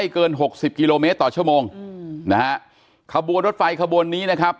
เกินหกสิบกิโลเมตรต่อชั่วโมงอืมนะฮะขบวนรถไฟขบวนนี้นะครับ